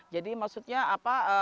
jadi maksudnya apa